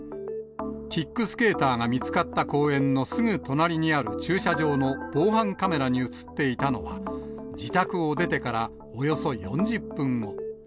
キックスケーターが見つかった公園のすぐ隣にある駐車場の防犯カメラに写っていたのは、自宅を出てからおよそ４０分後。